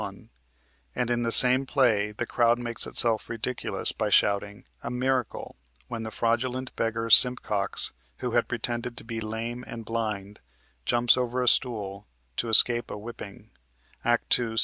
1), and in the same play the crowd makes itself ridiculous by shouting, "A miracle," when the fraudulent beggar Simpcox, who had pretended to be lame and blind, jumps over a stool to escape a whipping (Act 2, Sc.